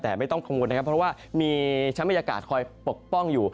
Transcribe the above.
แต่ไม่ต้องกังวลนะครับเพราะว่ามีชั้นบรรยากาศคอยปกป้องอยู่